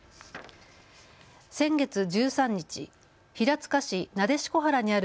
先月１３日、平塚市撫子原にある